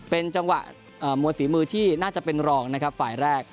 เป็นจังหวะมวยฝีมือที่น่าจะเป็นรองนะครับฝ่ายแรก